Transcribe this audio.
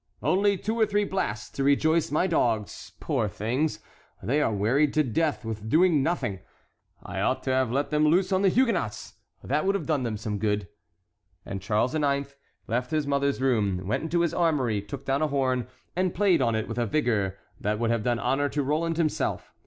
"Only two or three blasts to rejoice my dogs, poor things; they are wearied to death with doing nothing. I ought to have let them loose on the Huguenots; that would have done them good!" And Charles IX. left his mother's room, went into his armory, took down a horn, and played on it with a vigor that would have done honor to Roland himself.